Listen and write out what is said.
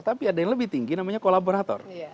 tapi ada yang lebih tinggi namanya kolaborator